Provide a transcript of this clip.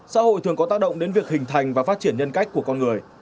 xã hội thường có tác động đến việc hình thành và phát triển nhân cách của con người